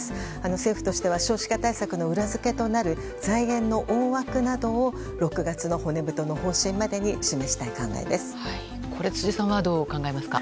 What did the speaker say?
政府としては少子化対策の裏付けとなる財源の大枠などを６月の骨太の方針までに辻さんはどう考えますか。